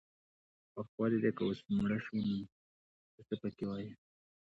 وخت پاتې دی که اوس مړه شو نو ته څه پکې وایې